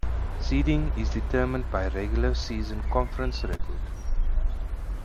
Seeding is determined by regular season conference record.